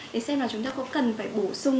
để xem là chúng ta có cần phải bổ sung